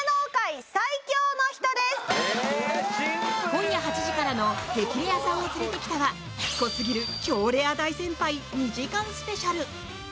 今夜８時からの「激レアさんを連れてきた。」は濃すぎる強レア大先輩２時間スペシャル！